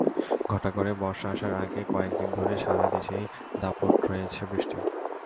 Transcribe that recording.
ঘটা করে বর্ষা আসার আগেই কয়েক দিন ধরে সারা দেশেই দাপট রয়েছে বৃষ্টির।